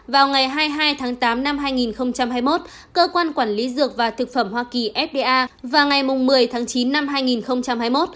vào ngày hai mươi hai tháng tám năm hai nghìn hai mươi một cơ quan quản lý dược và thực phẩm hoa kỳ fda vào ngày một mươi tháng chín năm hai nghìn hai mươi một